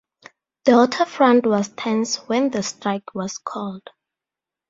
The waterfront was tense when the strike was called.